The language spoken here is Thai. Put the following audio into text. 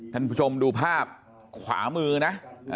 ท่านผู้ชมดูภาพขวามือนะ